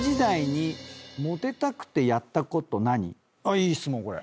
いい質問これ。